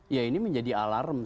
ya ini menjadi alarm